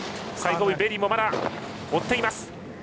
最後尾ベリーも追っています。